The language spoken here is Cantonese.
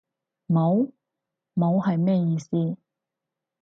冇？冇係咩意思？